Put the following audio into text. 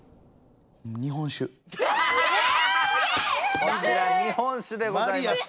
こちら日本酒でございました。